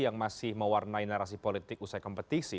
yang masih mewarnai narasi politik usai kompetisi